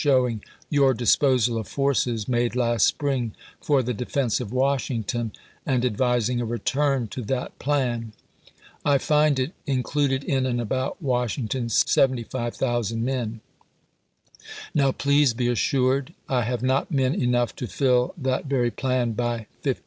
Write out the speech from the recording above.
showina: your disposal of forces made last spring for the defense of Washington, and advising a return to that plan. I find it included in and about Washington 75,000 men. Now, please be assured I have not men enough to fill that very plan by 15,000.